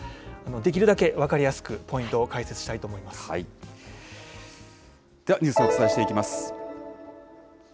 できるだけ分かりやすく、ポインではニュースをお伝えしていきます。